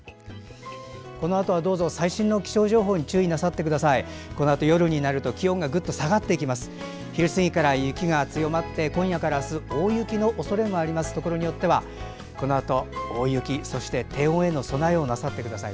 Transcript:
このあとはどうぞ最新の気象情報に注意なさってください。